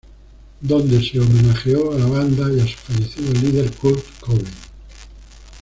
Donde se homenajeó a la banda y a su fallecido líder, Kurt Cobain.